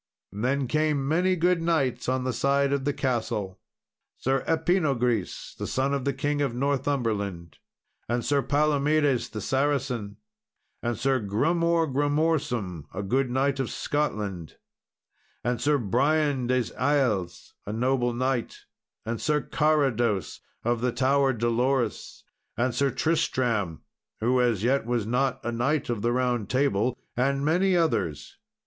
Then came many good knights on the side of the castle. Sir Epinogris, the son of the King of Northumberland, and Sir Palomedes the Saracen, and Sir Grummore Grummorsum, a good knight of Scotland, and Sir Brian des Iles, a noble knight, and Sir Carados of the Tower Dolorous, and Sir Tristram, who as yet was not a knight of the Round Table, and many others.